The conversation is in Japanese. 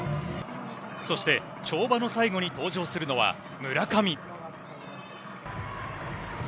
そして、跳馬の最後に登場するのは、村上。